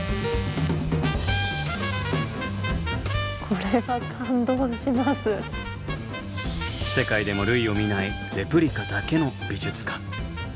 これは世界でも類を見ないレプリカだけの美術館。